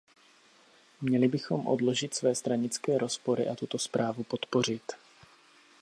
Měli bychom odložit své stranické rozpory a tuto zprávu podpořit.